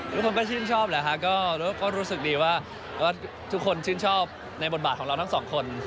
ทุกคนก็ชื่นชอบแหละฮะก็รู้สึกดีว่าทุกคนชื่นชอบในบทบาทของเราทั้งสองคน